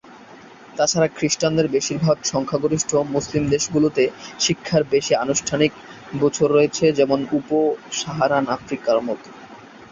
তাছাড়া খ্রিস্টানদের বেশিরভাগ সংখ্যাগরিষ্ঠ মুসলিম দেশগুলিতে শিক্ষার বেশি আনুষ্ঠানিক বছর রয়েছে, যেমন উপ-সাহারান আফ্রিকার মতো।